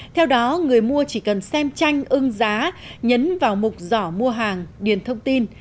theo đó người mua chỉ cần xem tranh ưng giá nhấn vào mục giỏ mua hàng điền thông tin